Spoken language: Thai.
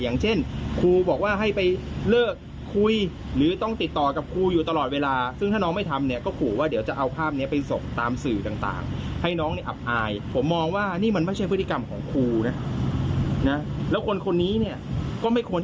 แล้วอะไรรู้ไหมมีการหลอกน้องไปทำอาจารย์ที่ปันน้ำมันด้วย